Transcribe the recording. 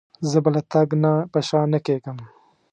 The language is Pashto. زه به له تګ نه په شا نه کېږم.